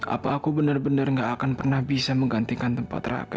apa aku bener bener nggak akan pernah bisa menggantikan tempat raka di hati kamu